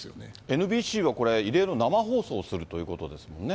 ＮＢＣはこれ、異例の生放送するということですもんね。